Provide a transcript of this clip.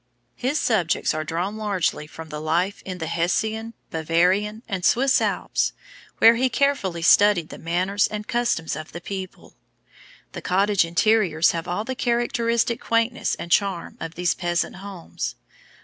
His subjects are drawn largely from life in the Hessian, Bavarian, and Swiss Alps, where he has carefully studied the manners and customs of the people. The cottage interiors have all the characteristic quaintness and charm of these peasant homes.